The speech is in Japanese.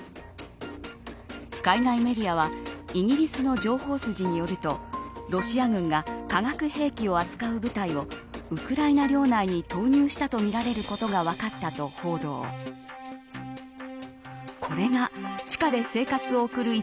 海外メディアはイギリスの情報筋によるとロシア軍が化学兵器を扱う部隊をウクライナ領内に投入したとみられることが１００メートルって深いですね。